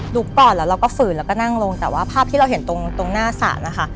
ก่อนแล้วเราก็ฝืนแล้วก็นั่งลงแต่ว่าภาพที่เราเห็นตรงหน้าศาลนะคะ